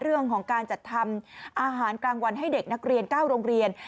เรื่องของการจัดทำอาหารกลางวันให้เด็กนักเรียน๙โรงเรียน